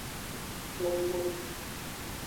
Jonggoli.